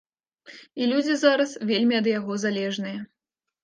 І людзі зараз вельмі ад яго залежныя.